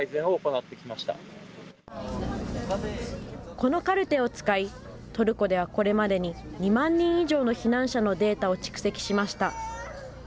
このカルテを使い、トルコではこれまでに２万人以上の避難者のデータを蓄積しました。